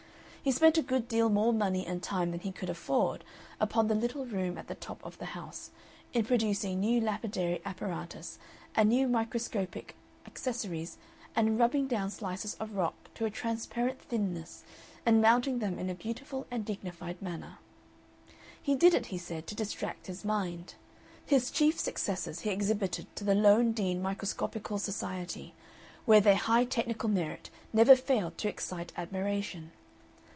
He spent a good deal more money and time than he could afford upon the little room at the top of the house, in producing new lapidary apparatus and new microscopic accessories and in rubbing down slices of rock to a transparent thinness and mounting them in a beautiful and dignified manner. He did it, he said, "to distract his mind." His chief successes he exhibited to the Lowndean Microscopical Society, where their high technical merit never failed to excite admiration.